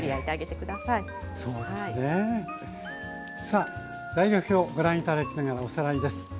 さあ材料表ご覧頂きながらおさらいです。